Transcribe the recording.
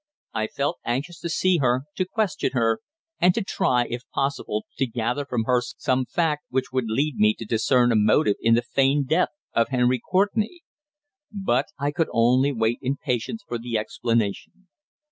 I felt anxious to see her, to question her, and to try, if possible, to gather from her some fact which would lead me to discern a motive in the feigned death of Henry Courtenay. But I could only wait in patience for the explanation.